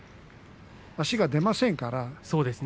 足が出ませんから。